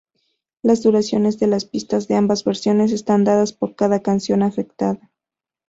Las duraciones de las pistas de ambas versiones están dadas por cada canción afectada.